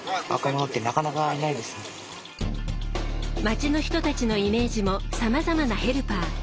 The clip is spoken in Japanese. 街の人たちのイメージもさまざまなヘルパー。